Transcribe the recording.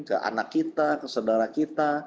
ke anak kita ke saudara kita